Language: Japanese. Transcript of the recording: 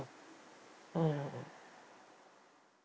うん。